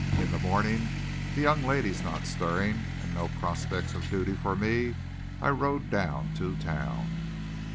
In the morning, the young ladies not stirring and no prospects of duty for me, I rode down to town.